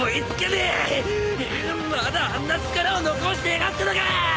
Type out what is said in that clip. まだあんな力を残してやがったのか！